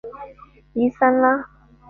伊桑拉。